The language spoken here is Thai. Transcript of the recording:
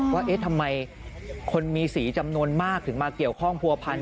ว่าเอ๊ะทำไมคนมีสีจำนวนมากถึงมาเกี่ยวข้องผัวพันธ